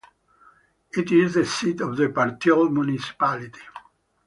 It is the seat of Partille Municipality.